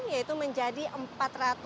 yaitu menjadi rp empat ratus sembilan puluh lima